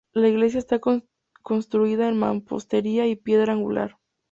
La iglesia está construida en mampostería y piedra angular.